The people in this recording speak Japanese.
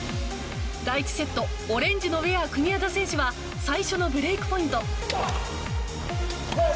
第１セット、オレンジのウェア国枝選手は最初のブレークポイント。